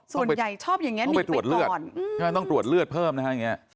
ส่วนใหญ่ชอบอย่างนี้มีไปก่อนต้องไปตรวจเลือดเพิ่มนะคะ